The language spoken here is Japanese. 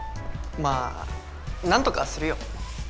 まあなんとかするよ。